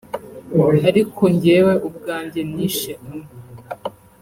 ariko njyewe ubwanjye nishe umwe